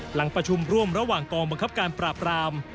หลังประชุมร่วมระหว่างกองบังคับการปราบราม